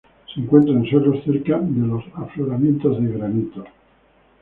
Se encuentra en suelos cerca de los afloramientos de granito.